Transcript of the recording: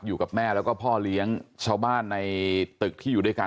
อยู่กับแม่แล้วก็พ่อเลี้ยงชาวบ้านในตึกที่อยู่ด้วยกัน